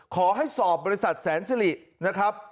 ขอให้สอบบริษัทแสนสิรินะครับ